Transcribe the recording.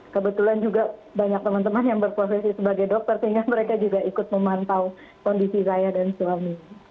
kebetulan juga banyak teman teman yang berprofesi sebagai dokter sehingga mereka juga ikut memantau kondisi saya dan suami